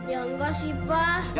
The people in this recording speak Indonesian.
ya nggak sih pa